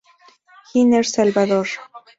Giner, Salvador.